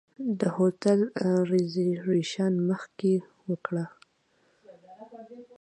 د هوټل ریزرویشن مخکې وکړئ.